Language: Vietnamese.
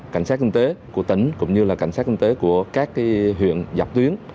cảnh sát kinh tế của tỉnh cũng như cảnh sát kinh tế của các huyện dọc tuyến